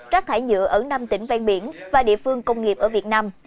rác thải nhựa ở năm tỉnh ven biển và địa phương công nghiệp ở việt nam